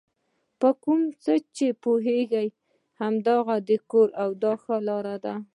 په کوم څه چې پوهېږئ هماغه کوئ دا ښه لار ده.